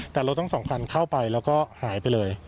แต่รถทั้งสองคันเข้าไปแล้วก็หายไปเลย